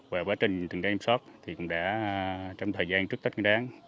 và quá trình tuần tra kiểm soát thì cũng đã trong thời gian trước tết nguyên đáng